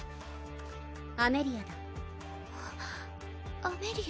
アメリアだアメリア？